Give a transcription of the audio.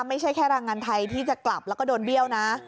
ไม่ใช่แค่แรงงานไทยที่จะกลับแล้วก็โดนเบี้ยวนะ